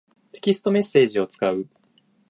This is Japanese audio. テキストメッセージを使う。